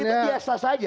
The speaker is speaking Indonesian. itu biasa saja